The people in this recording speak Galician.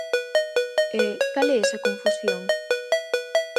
E, ¿cal é esa confusión?